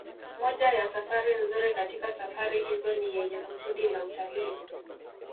Moja ya safari nzuri katika safari hizo ni yenye kusudi la utalii